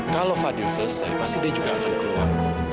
kalau fadil selesai pasti dia juga akan keluar